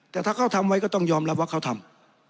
แต่ถ้าเขาทำไว้ก็ต้องยอมรับว่าเขาทำ